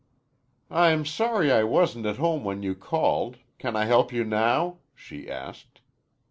"I'm sorry I wasn't at home when you called. Can I help you now?" she asked.